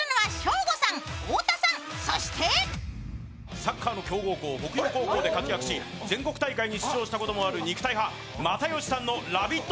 サッカー北陽高校で全国大会に出場したこともある肉体派、又吉さんの「ラヴィット！」